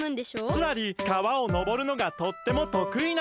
つまり川をのぼるのがとってもとくいなのだ。